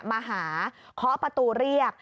มาหาเคาะประตูเรียก